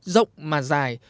rộng mà dài